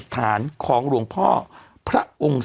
สวัสดีครับคุณผู้ชม